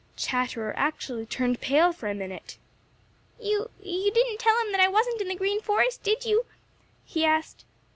Chatterer actually turned pale for a minute. "You—you didn't tell him that I wasn't in the Green Forest, did you?" he asked.